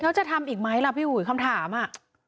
แล้วจะทำอีกไหมล่ะพี่อุ๋ยคำถามอ่ะ